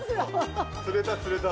釣れた釣れた。